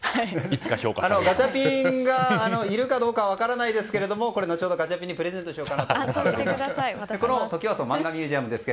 ガチャピンがいるかどうかは分からないですがこれ、のちほどガチャピンにプレゼントします。